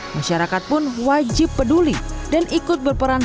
masyarakat pun wajib peduli dan ikut berperan